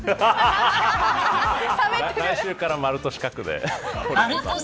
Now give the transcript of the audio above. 来週から丸と四角で。